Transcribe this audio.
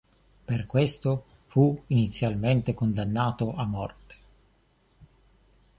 Per questo fu inizialmente condannato a morte.